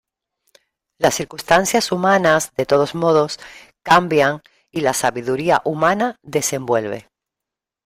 Las circunstancias humanas, de todos modos, cambian y la sabiduría humana desenvuelve.